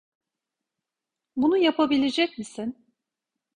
Bunu yapabilecek misin?